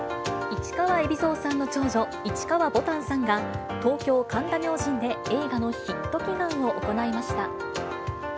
市川海老蔵さんの長女、市川ぼたんさんが、東京・神田明神で、映画のヒット祈願を行いました。